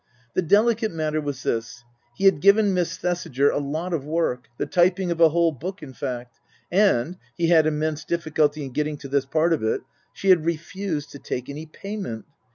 The delicate matter was this. He had given Miss Thesiger a lot of work, the typing of a whole book, in fact. And he had immense difficulty in getting to this part of it she had refused to take any payment.